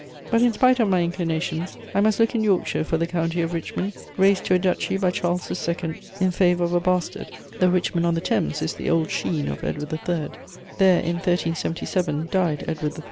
But, in spite of my inclinations, I must look in Yorkshire for the County of Richmond, raised to a duchy by Charles II. in favour of a bastard: the Richmond on the Thames is the Old Sheen of Edward III. There, in 1377, died Edward III.